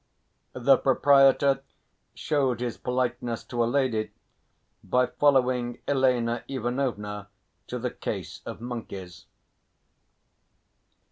The proprietor showed his politeness to a lady by following Elena Ivanovna to the case of monkeys.